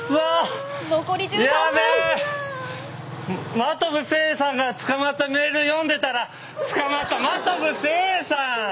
真飛聖さんが捕まってたメールを読んでたら真飛聖さん！